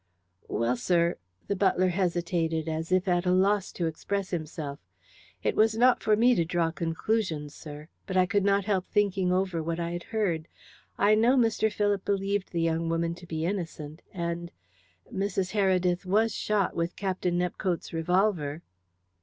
"Well, sir " the butler hesitated, as if at a loss to express himself. "It was not for me to draw conclusions, sir, but I could not help thinking over what I had heard. I know Mr. Philip believed the young woman to be innocent, and Mrs. Heredith was shot with Captain Nepcote's revolver."